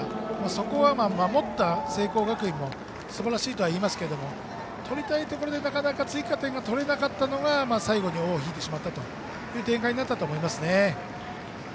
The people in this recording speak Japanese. そこは守った聖光学院がすばらしいとはいいますけれども取りたいところで、なかなか追加点が取れなかったのが最後に尾を引いてしまったという展開になったと思いますね。